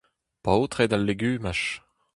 Paotred al legumaj !